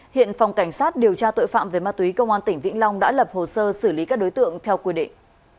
hiện phòng cảnh sát điều tra tội phạm về ma túy công an tỉnh vĩnh long đã lập hồ sơ xử lý các đối tượng theo quy định